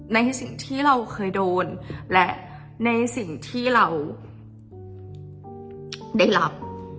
ในสิ่งที่เราเคยโดนและในสิ่งที่เราได้รับ